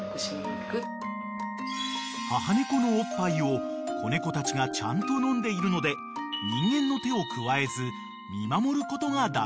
［母猫のおっぱいを子猫たちがちゃんと飲んでいるので人間の手を加えず見守ることが大事だという］